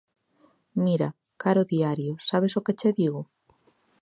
Mira, caro diario, sabes o que che digo?